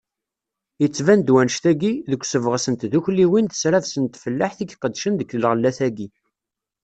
Yettban-d wannect-agi, deg usebɣes n tddukkliwin d ssrabes n tfellaḥt i iqeddcen deg lɣellat-agi.